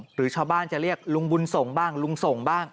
หรือชาวบ้านจะเรียกลุงบุญส่งบ้างลุงส่งบ้าง